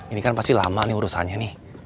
ini kan pasti lama nih urusannya nih